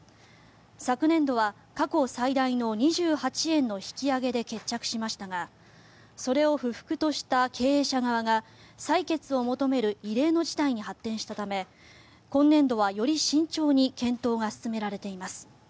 昨年度は過去最大の２８円の引き上げで決着しましたがそれを不服とした経営者側が採決を求める異例の事態に発展したため今年度は、より慎重に検討が進められています。